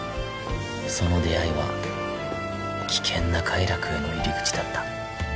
その出会いは危険な快楽への入り口だった